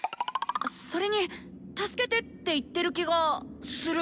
それに「助けて」って言ってる気がする！